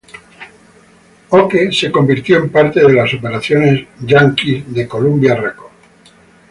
Okeh se convirtió en parte de las operaciones estadounidenses de Columbia Records.